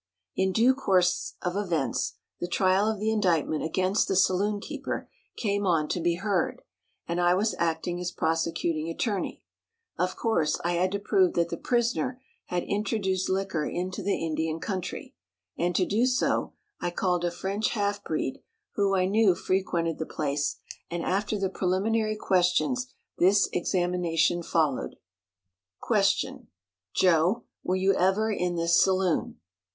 In due course of events the trial of the indictment against the saloonkeeper came on to be heard, and I was acting as prosecuting attorney. Of course, I had to prove that the prisoner had introduced liquor into the Indian country, and, to do so, I called a French half breed who I knew frequented the place, and after the preliminary questions, this examination followed: "Q. Joe, were you ever in this saloon?